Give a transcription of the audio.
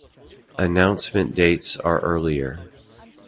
Announcement dates are earlier.